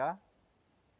dan juga untuk masyarakat